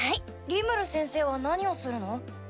リムル先生は何をするの？